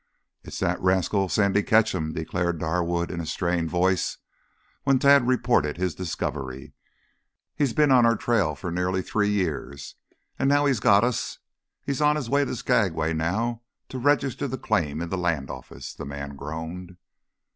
"It's that rascal, Sandy Ketcham," declared Darwood in a strained voice, when Tad reported his discovery. "He's been on our trail for nearly three years, and now he's got us! He's on his way to Skagway now to register the claim in the land office," the man groaned.